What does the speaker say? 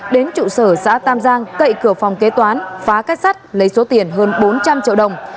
đến trụ sở xã tam giang cậy cửa phòng kế toán phá kết sắt lấy số tiền hơn bốn trăm linh triệu đồng